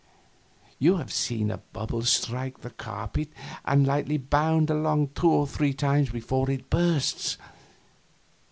You have seen a bubble strike the carpet and lightly bound along two or three times before it bursts.